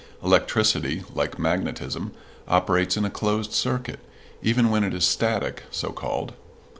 Electricity, like magnetism, operates in a closed circuit, even when it is static so called.